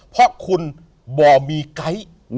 เพราะคุณบ่อมีไก๊